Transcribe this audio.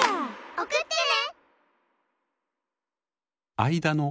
おくってね。